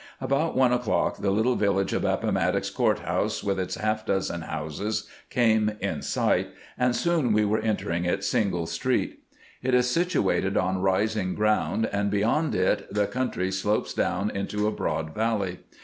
About one o'clock the little village of Appomattox Court house, with its half dozen houses, came in sight, and soon we were entering its single street. It is situated on rising ground, and beyond it the country slopes down into a broad valley.